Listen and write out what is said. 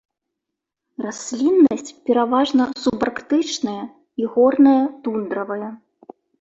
Расліннасць пераважна субарктычная і горная тундравая.